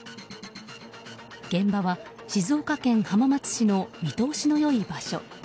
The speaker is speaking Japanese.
現場は静岡県浜松市の見通しの良い場所。